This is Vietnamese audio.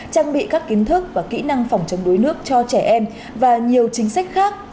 trang bị các kiến thức và kỹ năng phòng chống đuối nước cho trẻ em và nhiều chính sách khác